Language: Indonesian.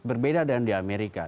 berbeda dengan di amerika